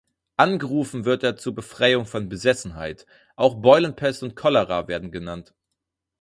Angerufen wird er zur Befreiung von Besessenheit, auch Beulenpest und Cholera werden genannt.